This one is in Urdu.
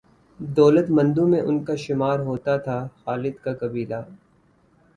دولت مندوں میں ان کا شمار ہوتا تھا۔ خالد کا قبیلہ